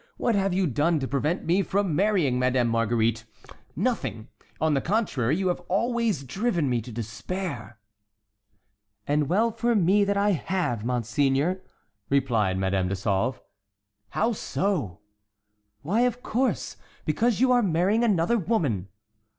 What have you done to prevent me from marrying Madame Marguerite? Nothing. On the contrary, you have always driven me to despair." "And well for me that I have, monseigneur," replied Madame de Sauve. "How so?" "Why, of course, because you are marrying another woman!"